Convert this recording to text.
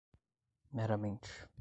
meramente